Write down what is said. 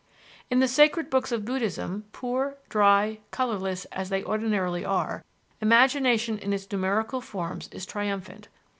In the sacred books of Buddhism, poor, dry, colorless, as they ordinarily are, imagination in its numerical forms is triumphant.